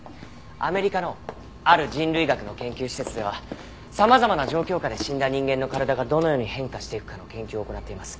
アメリカのある人類学の研究施設では様々な状況下で死んだ人間の体がどのように変化していくかの研究を行っています。